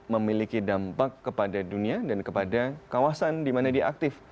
memiliki dampak kepada dunia dan kepada kawasan di mana dia aktif